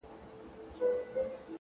علم انسان ته حقیقي ځواک ورکوي.!